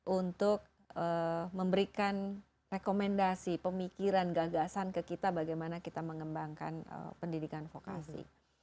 untuk memberikan rekomendasi pemikiran gagasan ke kita bagaimana kita mengembangkan pendidikan vokasi